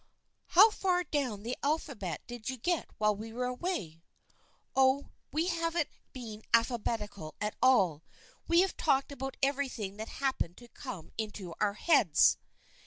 " How far down the alphabet did you get while we were away ?"" Oh, we haven't been alphabetical at all. We have talked about everything that happened to come into our heads."